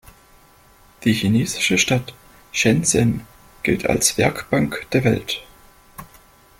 Die chinesische Stadt Shenzhen gilt als „Werkbank der Welt“.